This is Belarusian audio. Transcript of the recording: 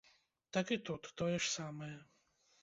Так і тут, тое ж самае.